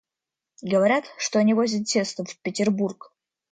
Говорят, что они возят тесто в Петербург.